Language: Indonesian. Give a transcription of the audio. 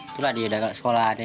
itulah dia sudah kalah sekolah